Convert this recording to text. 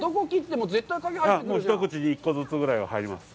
もう一口に１個ずつぐらいは入ります。